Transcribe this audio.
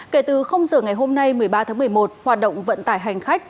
kể từ giờ ngày hôm nay một mươi ba tháng một mươi một hoạt động vận tải hành khách